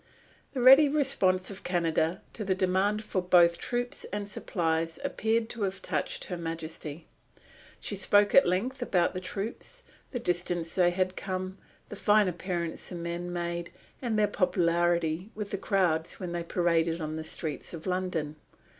The ready response of Canada to the demand for both troops and supplies appeared to have touched Her Majesty. She spoke at length about the troops, the distance they had come, the fine appearance the men made, and their popularity with the crowds when they paraded on the streets of London.